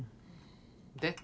で？